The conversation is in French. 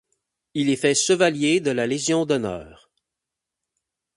Il est fait Chevalier de la Légion d'Honneur.